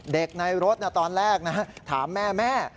เด็กในรถตอนแรกถามแม่